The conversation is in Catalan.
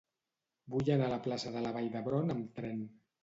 Vull anar a la plaça de la Vall d'Hebron amb tren.